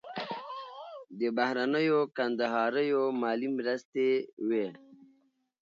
د بهرنیو کندهاریو مالي مرستې وې.